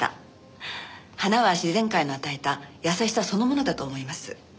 花は自然界の与えた優しさそのものだと思います。